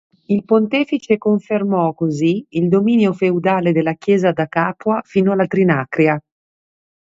Il Pontefice confermò, così, il dominio feudale della Chiesa da Capua fino alla Trinacria.